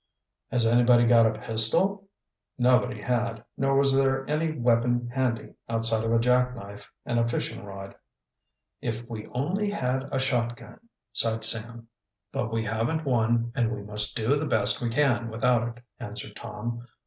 "Has anybody got a pistol?" Nobody had, nor was there any weapon handy outside of a jackknife and a fishing rod. "If we only had a shot gun," sighed Sam. "But we haven't one and we must do the best we can without it," answered Tom.